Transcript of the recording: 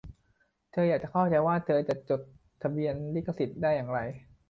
เธออยากเข้าใจว่าเธอจะจดทะเบียนลิขสิทธิ์ได้อย่างไร